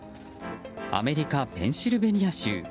アメリカ・ペンシルベニア州。